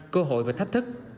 cơ hội và thách thức